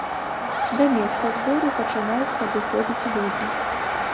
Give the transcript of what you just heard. Да месца збору пачынаюць падыходзіць людзі.